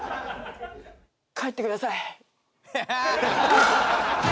帰ってください。